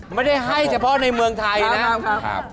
ไม่ได้ให้เฉพาะในเมืองไทยนะครับ